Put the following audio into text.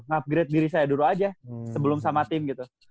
upgrade diri saya dulu aja sebelum sama tim gitu